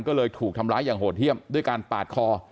ก็เลยถูกทำร้ายอย่างโหดเยี่ยมด้วยการปาดคอ